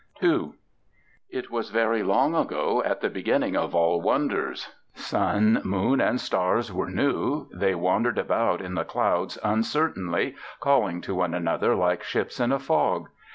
II It was very long ago at the beginning of all wonders. Sun, moon and stars were new; they wandered about in the clouds uncertainly, calling to one another like ships in a fog.